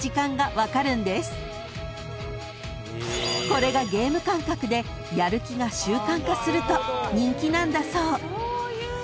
［これがゲーム感覚でやる気が習慣化すると人気なんだそう］